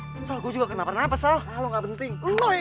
selalu nggak penting enggak penting